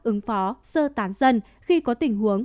ứng phó sơ tán dân khi có tình huống